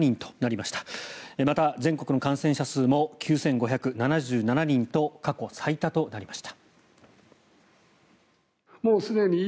また、全国の感染者数も９５７７人と過去最多となりました。